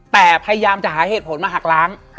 แต่พยายามจะหาเหตุผลมาหักล้าง